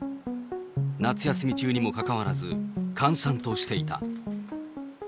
夏休み中にもかかわらず、閑散としていた。